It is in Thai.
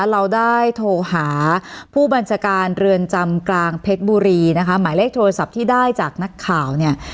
เราได้โทรหาผู้บัญชาการเรือนจำกลางเพชรบุรีนะคะหมายเลขโทรศัพท์ที่ได้จากนักข่าวเนี่ย